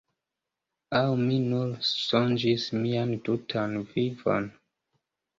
Aŭ mi nur sonĝis mian tutan vivon?